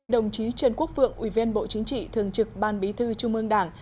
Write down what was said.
đồng chí trần quốc vượng ủy viên bộ chính trị thường trực ban bí thư trung ương đảng